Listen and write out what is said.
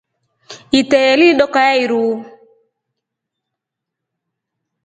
Itreye lili dooka ya iru.